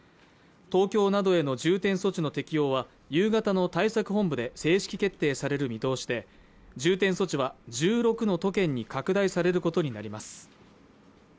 東京などへの重点措置の適用は夕方の対策本部で正式決定される見通しで重点装置は１６の都県に拡大されることになります